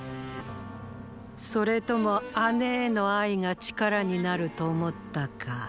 それとも姉への愛が力になると思ったか？